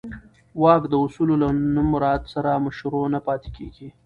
واک د اصولو له نه مراعت سره مشروع نه پاتې کېږي.